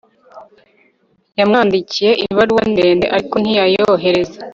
Yamwandikiye ibaruwa ndende ariko ntiyayohereza